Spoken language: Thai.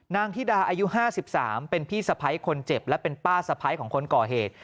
ธิดาอายุ๕๓เป็นพี่สะพ้ายคนเจ็บและเป็นป้าสะพ้ายของคนก่อเหตุ